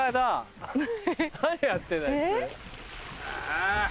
ああ。